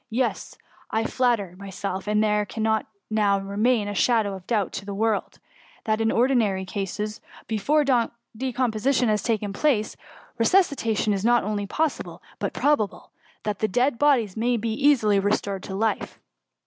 Yes ; I flatter myself there cannot now remain a shadow of doubt to the world, that, in ordinary cases, before de composition has taken place, resuscitation is not only possible, but probable, and th|it dead bodies may be easily restored to life.''